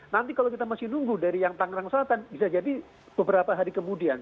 nanti kalau kita masih nunggu dari yang tangerang selatan bisa jadi beberapa hari kemudian